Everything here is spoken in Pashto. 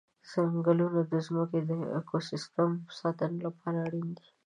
ځنګلونه د ځمکې د اکوسیستم ساتنې لپاره اړین دي.